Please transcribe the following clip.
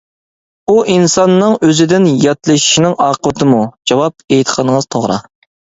ئۇ ئىنساننىڭ ئۆزىدىن ياتلىشىشنىڭ ئاقىۋىتىمۇ؟ جاۋاب:ئېيتقىنىڭىز توغرا.